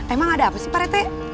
emang ada apa sih pak rete